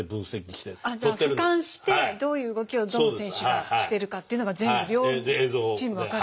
じゃあ俯瞰してどういう動きをどの選手がしてるかっていうのが全部両チームが分かる。